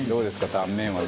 断面は。